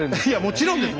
もちろんです。